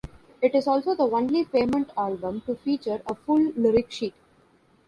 It is also the only Pavement album to feature a full lyric sheet.